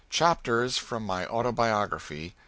CHAPTERS FROM MY AUTOBIOGRAPHY.